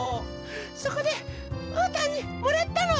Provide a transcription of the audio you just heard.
そこでうーたんにもらったの。